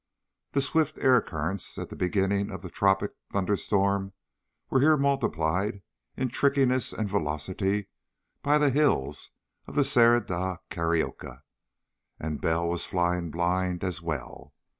The swift air currents at the beginning of a tropic thunderstorm were here multiplied in trickiness and velocity by the hills of the Serra da Carioca, and Bell was flying blind as well.